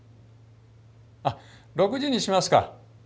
あっ６時にしますか。